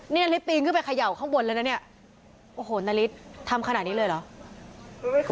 นี่นาริสปีนขึ้นไปเขย่าข้างบนแล้วนะเนี่ยโอ้โหนาริสทำขนาดนี้เลยเหรอ